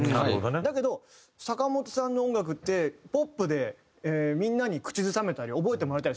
だけど坂本さんの音楽ってポップでみんなに口ずさめたり覚えてもらえたりするじゃないですか。